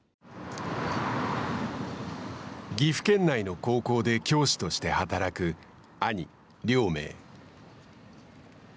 岐阜県内の高校で教師として働く兄・亮明。